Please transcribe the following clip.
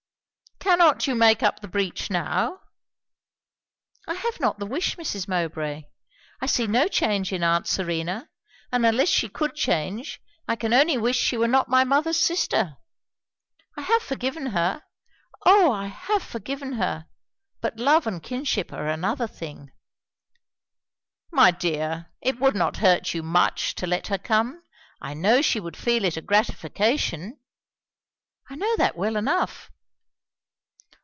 "Cannot you make up the breach now?" "I have not the wish, Mrs. Mowbray. I see no change in aunt Serena; and unless she could change, I can only wish she were not my mother's sister. I have forgiven her; O I have forgiven her! but love and kinship are another thing." "My dear, it would not hurt you, much, to let her come. I know she would feel it a gratification." "I know that well enough."